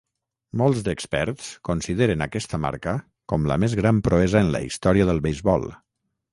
Molts d'experts consideren aquesta marca com la més gran proesa en la història del beisbol.